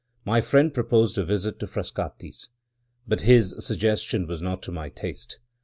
My friend proposed a visit to Frascati's; but his suggestion was not to my taste.